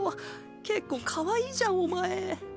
けっこうかわいいじゃんお前。